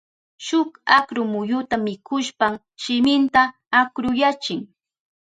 Shuk akru muyuta mikushpan shiminta akruyachin.